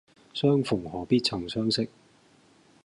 相逢何必曾相識